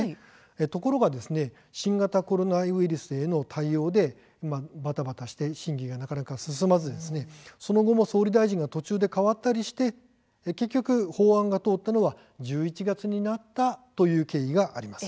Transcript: ところが新型コロナウイルスへの対応でばたばたして審議がなかなか進まずその後も総理大臣が途中で変わったりして結局、法案が通ったのが１１月になったという経緯があります。